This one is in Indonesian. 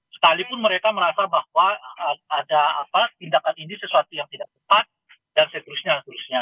sekalipun mereka merasa bahwa ada tindakan ini sesuatu yang tidak tepat dan seterusnya seterusnya